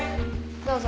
どうぞ。